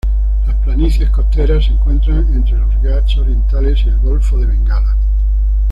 Las planicies costeras se encuentra entre los Ghats orientales y el golfo de Bengala.